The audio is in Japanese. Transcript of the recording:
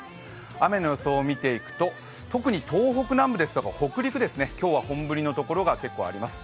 雨の予想を見ていくと、特に東北南部ですとか北陸ですね、今日は本降りのところが結構あります。